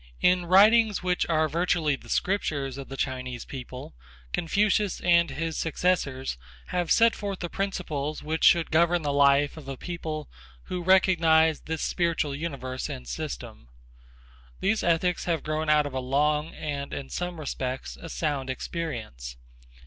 In writings which are virtually the scriptures of the Chinese people Confucius and his successors have set forth the principles which should govern the life of a people who recognize this spiritual universe and system. These ethics have grown out of a long and, in some respects, a sound experience.